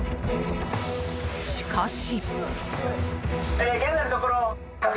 しかし。